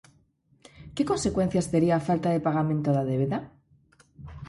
Que consecuencias tería a falta de pagamento da débeda?